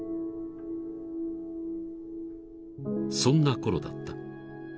［そんなころだった］